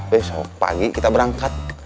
besok pagi kita berangkat